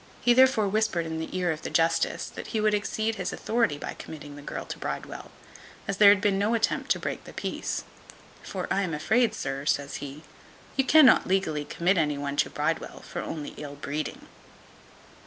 He therefore whispered in the ear of the justice that he would exceed his authority by committing the girl to Bridewell, as there had been no attempt to break the peace; "for I am afraid, sir," says he, "you cannot legally commit any one to Bridewell only for ill breeding."